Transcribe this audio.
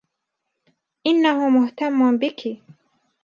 إنّه مهتمّ بكِ.